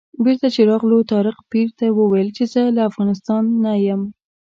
بېرته چې راغلو طارق پیر ته وویل چې زه له افغانستانه یم.